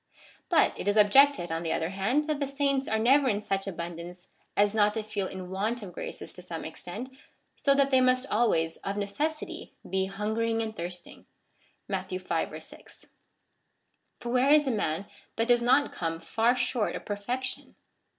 But it is objected, on the other hand, that the saints are never in such abundance as not to feel in want of graces to some extent, so that they must always of necessity be ^'hungering and thirsting" (Matt. v. b'.) For where is the man that does not come far short of perfection